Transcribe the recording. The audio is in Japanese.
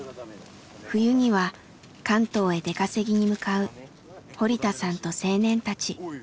冬には関東へ出稼ぎに向かう堀田さんと青年たち。